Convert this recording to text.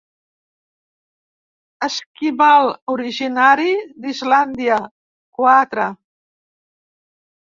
Esquimal originari d'Islàndia; quatre.